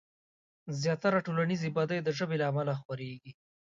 زياتره ټولنيزې بدۍ د ژبې له امله خورېږي.